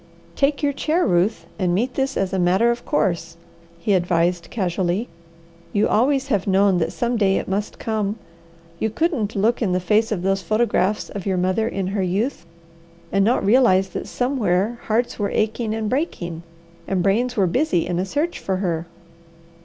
"Take your chair, Ruth, and meet this as a matter of course," he advised casually. "You always have known that some day it must come. You couldn't look in the face of those photographs of your mother in her youth and not realize that somewhere hearts were aching and breaking, and brains were busy in a search for her."